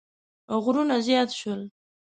غږونه زیات شول.